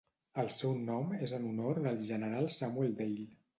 El seu nom és en honor del general Samuel Dale.